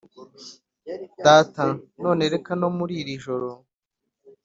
data None reka no muri iri joro